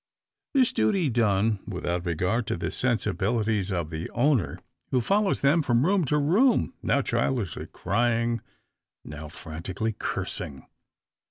This duty done, without regard to the sensibilities of the owner, who follows them from room to room, now childishly crying now frantically cursing.